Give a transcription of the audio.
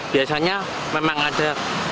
biasanya memang ada